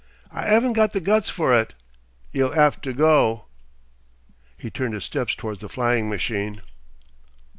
I 'aven't the guts for it! 'E'll 'ave to go." He turned his steps towards the flying machine....